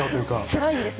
つらいんですね。